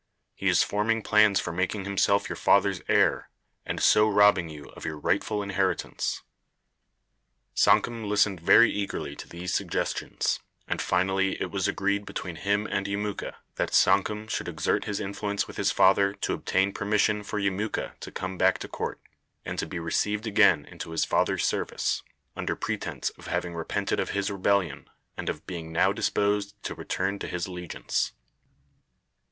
He is forming plans for making himself your father's heir, and so robbing you of your rightful inheritance." Sankum listened very eagerly to these suggestions, and finally it was agreed between him and Yemuka that Sankum should exert his influence with his father to obtain permission for Yemuka to come back to court, and to be received again into his father's service, under pretense of having repented of his rebellion, and of being now disposed to return to his allegiance.